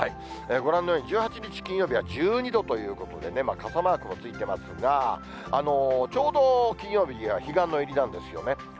ご覧のように、１８日金曜日は１２度ということでね、傘マークもついてますが、ちょうど金曜日は彼岸の入りなんですよね。